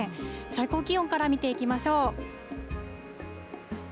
最高気温から見ていきましょう。